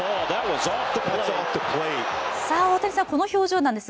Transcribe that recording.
大谷さん、この表情なんです